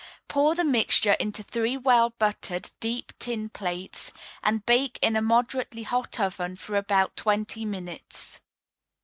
Pour the mixture into three well buttered, deep tin plates, and bake in a moderately hot oven for about twenty minutes.